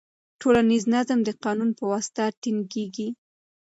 ټولنیز نظم د قانون په واسطه ټینګیږي.